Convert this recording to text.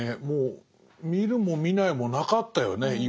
もう見るも見ないもなかったよね。